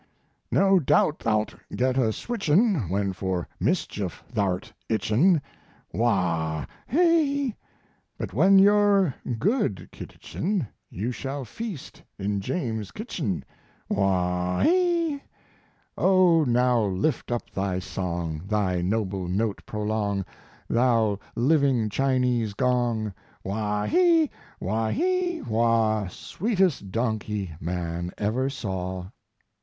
No dought thoult get a switchin When for mischief thou'rt itchin' Waw he! But when you're good Kiditchin You shall feast in James's kitchin Waw he! O now lift up thy song Thy noble note prolong Thou living Chinese gong! Waw he! waw he waw Sweetest donkey man ever saw.